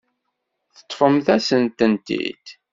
Teṭṭfem-as-tent-id.